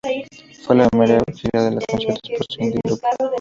Fue la primera gira de conciertos por Cyndi Lauper.